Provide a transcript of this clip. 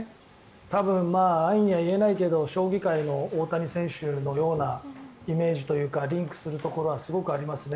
多分、安易には言えないけど将棋界の大谷選手みたいなイメージというかリンクするところがすごくありますね。